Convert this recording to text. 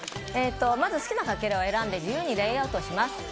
まず、好きなかけらを選んで自由にレイアウトします。